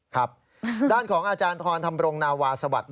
ครับด้านของอาจารย์ทรธรรมรงนาวาสวัสดิ์